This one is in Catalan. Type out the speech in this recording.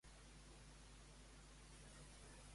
Em dius com anar al restaurant El Ñaño?